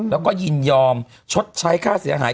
แล้วก็ยินยอมชดใช้ค่าเสียหาย